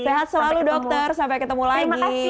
sehat selalu dokter sampai ketemu lagi